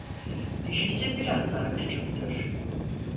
Dişisi biraz daha küçüktür.